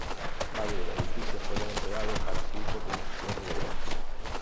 Varios de los edificios fueron entregados para su uso como oficinas de gobierno.